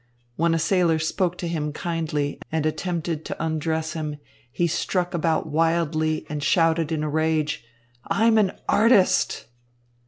When a sailor spoke to him kindly and attempted to undress him, he struck about wildly, and shouted in a rage, "I'm an artist!"